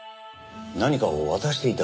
何かを渡していた？